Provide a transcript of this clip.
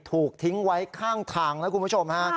ถูกทิ้งไว้ข้างทางนะคุณผู้ชมฮะ